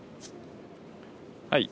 はい。